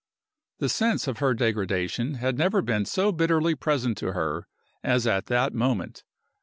The sense of her degradation had never been so bitterly present to her as at that moment.